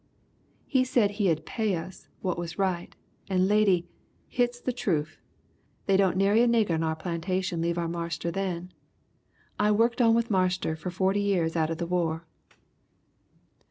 He said he 'ud pay us what was right, and Lady, hit's the troof, they didn't nary a nigger on our plantation leave our marster then! I wukked on with Marster for 40 years atter the war!"